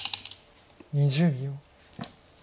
２０秒。